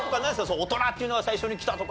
大人っていうのが最初にきたとか。